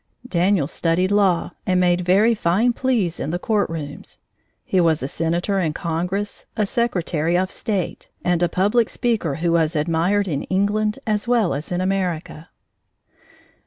Daniel studied law and made very fine pleas in the courtrooms. He was a senator in Congress, a secretary of state, and a public speaker who was admired in England as well as in America.